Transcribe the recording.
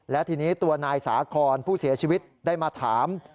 และทีนี้ตัวนายสาคอนผู้เสียชีวิตได้มาถาม